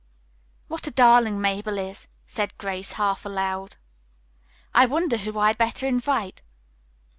"What a darling Mabel is," said Grace half aloud. "I wonder who I had better invite."